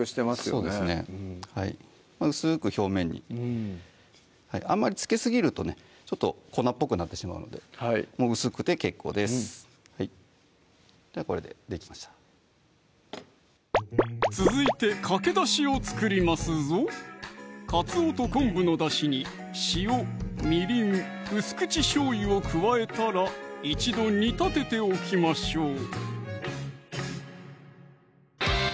そうですね薄く表面にあまり付けすぎるとねちょっと粉っぽくなってしまうので薄くて結構ですではこれでできました続いてかけだしを作りますぞかつおと昆布のだしに塩・みりん・薄口しょうゆを加えたら一度煮立てておきましょう